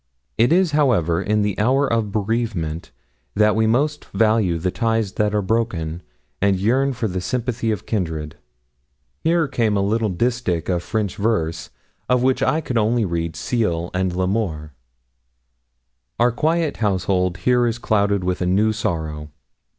'It is, however, in the hour of bereavement that we most value the ties that are broken, and yearn for the sympathy of kindred.' Here came a little distich of French verse, of which I could only read ciel and l'amour. 'Our quiet household here is clouded with a new sorrow.